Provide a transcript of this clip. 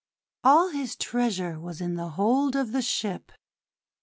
All his treasure was in the hold of the ship.